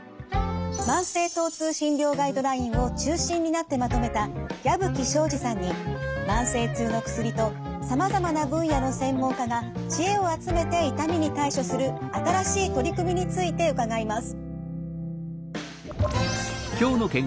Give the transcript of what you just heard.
慢性疼痛診療ガイドラインを中心になってまとめた矢吹省司さんに慢性痛の薬とさまざまな分野の専門家が知恵を集めて痛みに対処する新しい取り組みについて伺います。